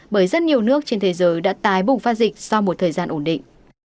bởi rất nhiều nước trên thế giới đã tái bùng phát dịch sau một thời gian ổn định